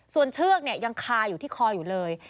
ส่วนเชือกยังคาอยู่ที่คออยู่เลย